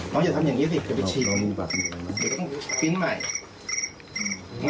มีผู้ติดตามไปได้ไหมคะ